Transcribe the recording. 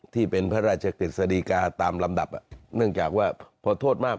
ที่เป็นพระราชกฤษฎีกาตามลำดับเนื่องจากว่าพอโทษมาก